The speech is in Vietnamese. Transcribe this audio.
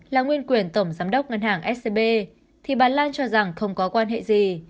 là nguyên quyền tổng giám đốc ngân hàng scb thì bà lan cho rằng không có quan hệ gì